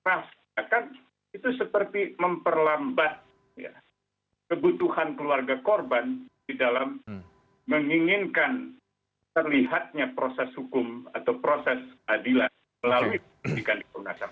itu seperti memperlambat kebutuhan keluarga korban di dalam menginginkan terlihatnya proses hukum atau proses adilan melalui pendidikan di komnas ham